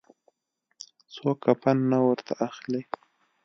څوک کفن نه ورته اخلي.